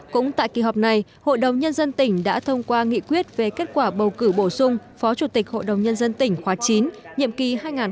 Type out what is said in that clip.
cũng tại kỳ họp này hội đồng nhân dân tỉnh đã thông qua nghị quyết về kết quả bầu cử bổ sung phó chủ tịch hội đồng nhân dân tỉnh khóa chín nhiệm kỳ hai nghìn một mươi sáu hai nghìn hai mươi một